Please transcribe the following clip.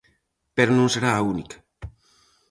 Pero non será a única.